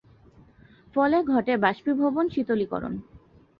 ফলে ঘটে বাষ্পীভবন শীতলীকরণ।